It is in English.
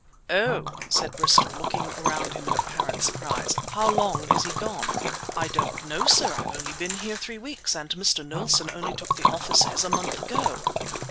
"Oh!" said Bristol, looking around him in apparent surprise: "how long is he gone?" "I don't know, sir. I've only been here three weeks, and Mr. Knowlson only took the offices a month ago."